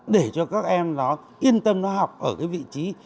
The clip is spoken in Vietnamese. để cho các em yên tâm học ở vị trí